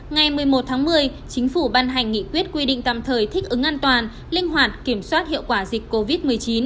ngày một mươi một tháng một mươi chính phủ ban hành nghị quyết quy định tạm thời thích ứng an toàn linh hoạt kiểm soát hiệu quả dịch covid một mươi chín